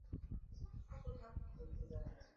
讳熙仁。